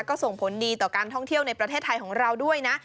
ก็ส่งผลดีต่อการท่องเที่ยวในประเทศไทยของเราด้วยนะ